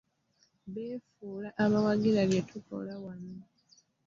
Beefuula abawagira bye tukola wano.